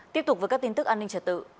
tiếp tục với các tin tức an ninh trật tự